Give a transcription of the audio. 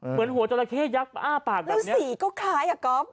เหมือนหัวจราเข้ยักษ์อ้าปากแล้วสีก็คล้ายอ่ะก๊อฟ